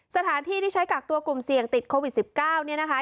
สถานที่ที่ใช้กักตัวกลุ่มเสี่ยงติดโควิด๑๙เนี่ยนะคะ